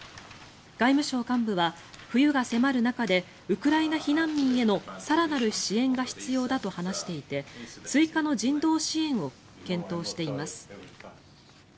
外務省幹部は、冬が迫る中でウクライナ避難民への更なる支援が必要だと話していて追加の人道支援を検討しています。